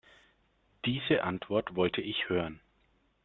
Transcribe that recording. Diese Antwort wollte ich hören.